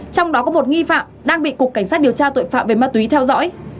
trong đó có một nghi phạm đang bị cục cảnh sát điều tra tội phạm về ma túy theo dõi